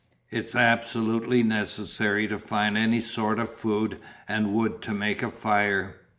It's absolutely necessary to find any sort of food, and wood to make a fire."